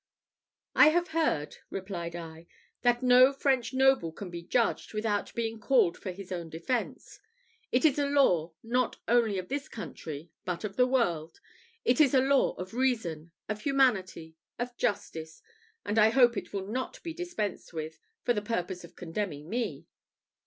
"I have heard," replied I, "that no French noble can be judged, without being called for his own defence. It is a law not only of this country, but of the world it is a law of reason, of humanity, of justice; and I hope it will not be dispensed with for the purpose of condemning me."